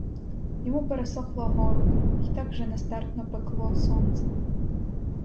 Йому пересохло горло й так же нестерпно пекло сонце.